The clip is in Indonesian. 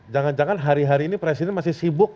jangan jangan hari hari ini presiden masih sibuk